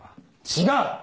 違う！